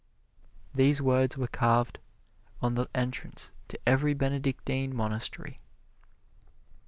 These words were carved on the entrance to every Benedictine Monastery.